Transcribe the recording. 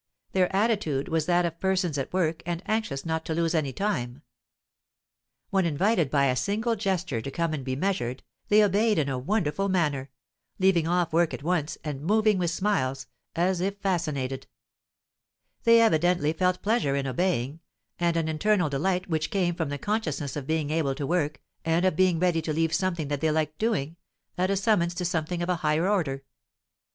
Their attitude was that of persons at work and anxious not to lose any time. When invited by a single gesture to come and be measured, they obeyed in a wonderful manner, leaving off work at once, and moving with smiles, as if fascinated; they evidently felt pleasure in obeying, and an internal delight which came from the consciousness of being able to work, and of being ready to leave something that they liked doing, at a summons to something of a higher order.